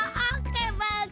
oh oke bang